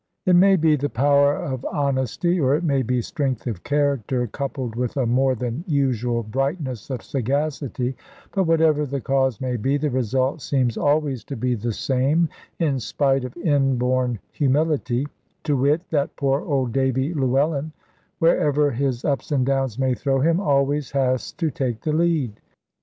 It may be the power of honesty, or it may be strength of character coupled with a more than usual brightness of sagacity but whatever the cause may be, the result seems always to be the same, in spite of inborn humility to wit, that poor old Davy Llewellyn, wherever his ups and downs may throw him, always has to take the lead!